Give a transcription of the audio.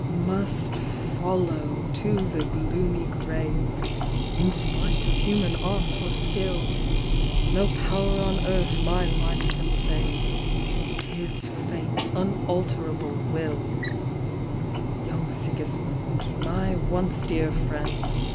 Must follow to the gloomy grave, In spite of human art or skill; No pow'i on earth my life can save, 'Tis tate's unalterable will !" Young Sisrismund, my once dear friend.